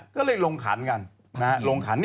ก็เลยลงขันกัน